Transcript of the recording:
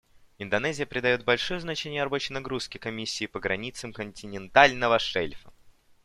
Индонезия придает большое значение рабочей нагрузке Комиссии по границам континентального шельфа.